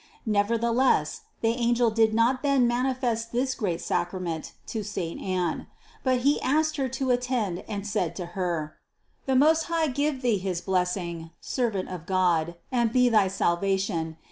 Nevertheless the angel did not then manifest this great sacrament to St. Anne; but he asked her to attend and said to her: "The Most High give thee his blessing, servant of God, and be thy salvation.